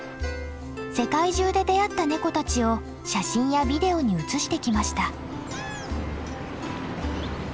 世界中で出会ったネコたちを写真やビデオに写してきました。